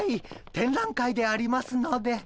展覧会でありますので。